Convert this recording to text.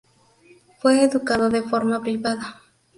Fue educado de forma privada.